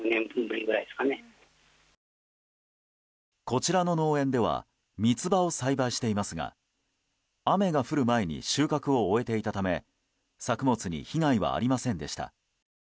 こちらの農園では三つ葉を栽培していますが雨が降る前に収穫を終えていたため作物に被害はありませんでした。